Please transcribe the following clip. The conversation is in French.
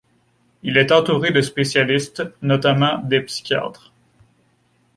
Il est entouré de spécialistes, notamment des psychiatres.